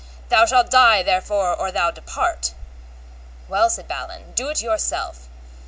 thou shalt die therefore or thou depart. Well, said Balin, do it yourself.